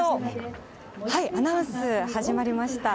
アナウンスが始まりましたね。